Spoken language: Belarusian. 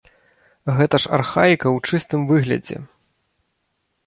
Гэта ж архаіка ў чыстым выглядзе!